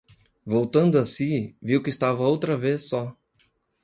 Voltando a si, viu que estava outra vez só.